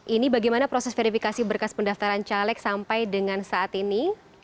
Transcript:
ini bagaimana proses verifikasi berkas pendaftaran caleg sampai dengan saat ini